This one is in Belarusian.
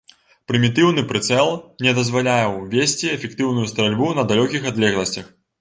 Прымітыўны прыцэл не дазваляў весці эфектыўную стральбу на далёкіх адлегласцях.